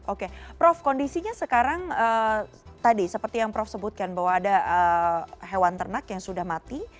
oke prof kondisinya sekarang tadi seperti yang prof sebutkan bahwa ada hewan ternak yang sudah mati